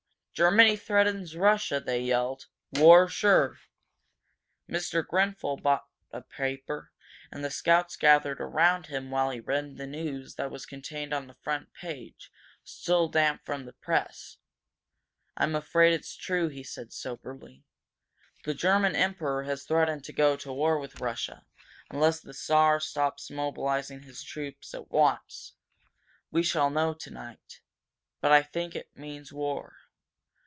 "Germany threatens Russia!" they yelled. "War sure!" Mr. Grenfel brought a paper, and the scouts gathered about him while he read the news that was contained on the front page, still damp from the press. "I'm afraid it's true," he said, soberly. "The German Emperor has threatened to go to war with Russia, unless the Czar stops mobilizing his troops at once. We shall know tonight. But I think it means war!